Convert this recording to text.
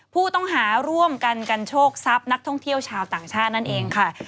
ผู้ต้องหาร่วมกันกันโชคทรัพย์นักท่องเที่ยวชาวต่างชาตินั่นเองค่ะ